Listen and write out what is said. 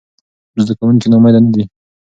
زده کوونکي ناامیده نه دي.